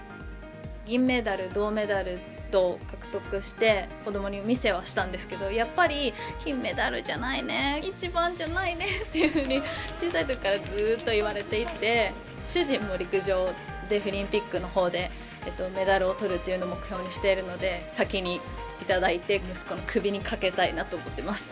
銀メダル、銅メダルと獲得して子どもに見せはしたんですけどやっぱり金メダルじゃないね一番じゃないねっていうふうに小さいときからずっと言われていて主人も陸上デフリンピックのほうでメダルをとるというのを目標にしているので先にいただいて、息子の首にかけたいなと思ってます。